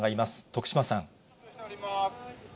徳島さん。